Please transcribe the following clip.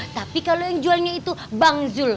tapi kalau yang jualnya itu bang zul